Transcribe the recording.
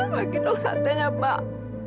bagi dong satenya pak